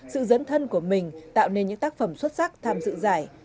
sự dấn thân của mình tạo nên những tác phẩm xuất sắc tham dự giải